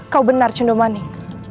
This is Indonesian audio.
kau benar cundomanik